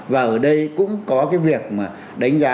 và ở đây cũng có cái việc mà đánh giá